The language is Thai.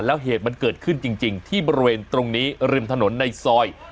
แล้วเหตุมันเกิดขึ้นจริงที่บริเวณตรงนี้ริมถนนในซอย